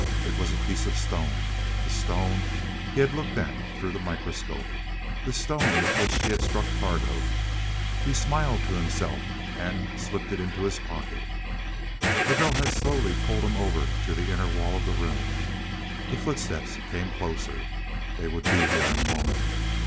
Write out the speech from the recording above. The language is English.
It was a piece of stone the stone he had looked at through the microscope the stone with which he had struck Targo. He smiled to himself, and slipped it into his pocket. The girl had slowly pulled him over to the inner wall of the room. The footsteps came closer. They would be here in a moment.